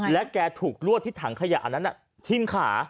และแกถูกลวดที่ถังขยะอันนั้นทิ้มขา